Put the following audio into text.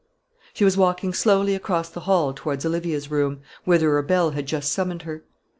She was walking slowly across the hall towards Olivia's room, whither a bell had just summoned her.